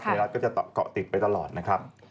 ไทยรัฐก็จะเกาะติดไปตลอดนะครับ